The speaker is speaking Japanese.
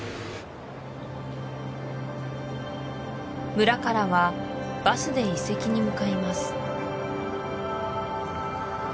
村からはバスで遺跡に向かいます